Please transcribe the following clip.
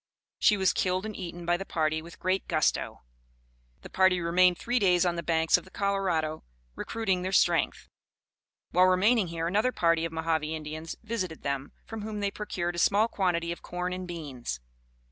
She was killed and eaten by the party with great gusto. The party remained three days on the banks of the Colorado recruiting their strength. While remaining here, another party of Mohave Indians visited them, from whom they procured a small quantity of corn and beans.